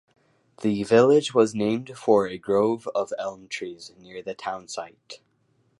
The village was named for a grove of elm trees near the town site.